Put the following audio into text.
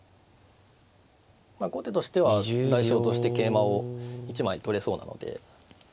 後手としては代償として桂馬を１枚取れそうなので。